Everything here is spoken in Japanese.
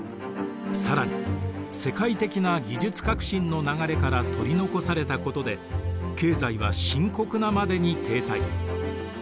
更に世界的な技術革新の流れから取り残されたことで経済は深刻なまでに停滞。